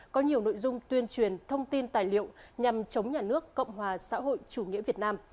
có nhiều nội dung tuyên truyền thông tin tài liệu nhằm chống nhà nước cộng hòa xã hội chủ nghĩa việt nam